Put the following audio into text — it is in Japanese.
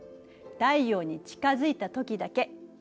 太陽に近づいたときだけ。